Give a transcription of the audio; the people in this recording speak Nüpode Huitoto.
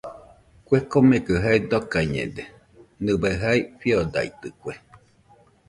Kue komekɨ jae dokaiñede, nɨbai jae fiodaitɨkue.